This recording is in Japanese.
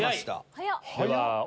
早っ！